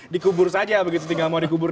dikubur saja begitu tinggal mau dikubur